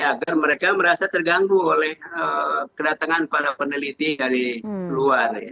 agar mereka merasa terganggu oleh kedatangan para peneliti dari luar